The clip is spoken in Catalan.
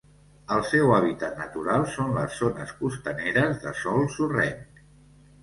El seu hàbitat natural són les zones costaneres de sòl sorrenc.